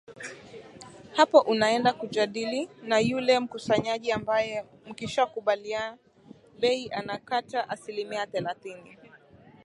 hapo unaenda kujadili na yule mkusanyaji ambaye mkishakubalia bei anakata asilimia thelathini